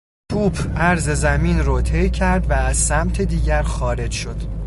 توپ عرض زمین رو طی کرد و از سمت دیگر خارج شد